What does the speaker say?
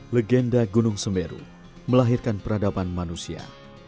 legenda gunung semeru melahirkan peradaban manusia